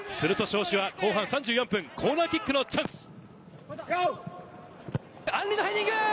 すると尚志は後半３４分、コーナーキックのチャンス。